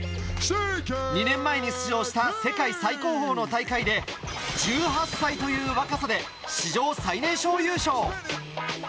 ２年前に出場した世界最高峰の戦いで１８歳という若さで史上最年少優勝。